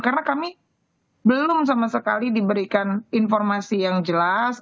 karena kami belum sama sekali diberikan informasi yang jelas